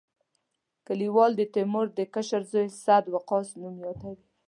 لیکوال د تیمور د کشر زوی سعد وقاص نوم یادوي.